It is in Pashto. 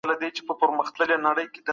دا خبره د ډاکټر له خوا شوې ده.